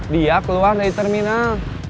dia keluar dari terminal